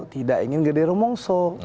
tidak ingin gede rumungso